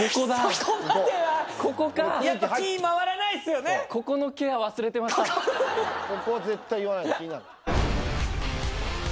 ここは絶対言わないと気になる。